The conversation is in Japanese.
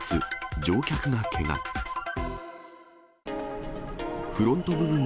乗客がけが。